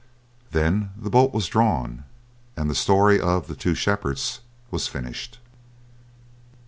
Then the bolt was drawn and the story of "The Two Shepherds" was finished.